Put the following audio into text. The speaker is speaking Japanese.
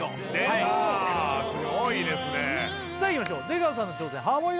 はいすごいですねさあいきましょう出川さんの挑戦ハモリ